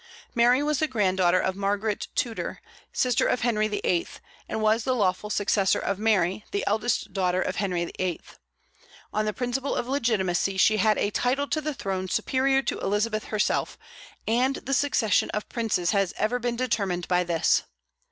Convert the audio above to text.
Mary was the granddaughter of Margaret Tudor, sister of Henry VIII, and was the lawful successor of Mary, the eldest daughter of Henry VIII. On the principle of legitimacy, she had a title to the throne superior to Elizabeth herself, and the succession of princes has ever been determined by this.